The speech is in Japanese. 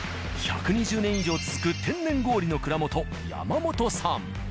１２０年以上続く天然氷の蔵元山本さん。